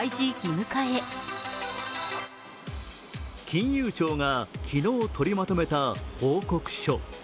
金融庁が昨日、とりまとめた報告書。